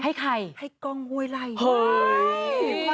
ให้ใครยินดีต้อนรับใหม่ว่า